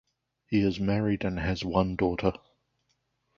He is married and has one daughter.